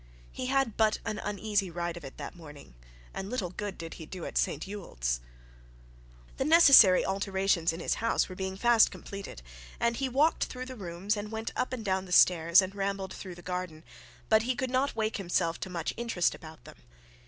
He had but an uneasy ride of it that morning, and little good did he do at St Ewold's. The necessary alterations in his house were being fast completed, and he walked through the rooms, and went up and down the stairs and rambled through the garden; but he could not wake himself to much interest about them.